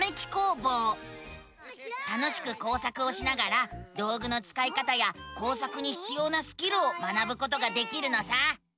楽しく工作をしながら道ぐのつかい方や工作にひつようなスキルを学ぶことができるのさ！